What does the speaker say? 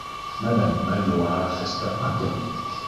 Madame Magloire resta interdite.